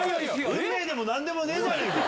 運命でも何でもねえじゃんか。